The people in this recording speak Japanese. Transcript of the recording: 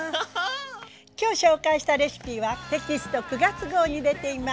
今日紹介したレシピはテキスト９月号に出ています。